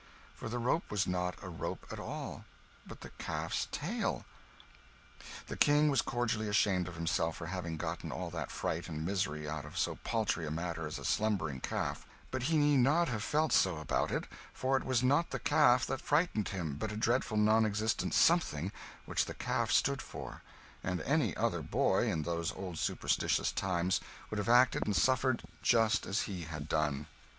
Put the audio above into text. for the rope was not a rope at all, but the calf's tail. The King was cordially ashamed of himself for having gotten all that fright and misery out of so paltry a matter as a slumbering calf; but he need not have felt so about it, for it was not the calf that frightened him, but a dreadful non existent something which the calf stood for; and any other boy, in those old superstitious times, would have acted and suffered just as he had done.